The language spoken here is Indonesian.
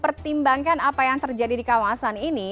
pertimbangkan apa yang terjadi di kawasan ini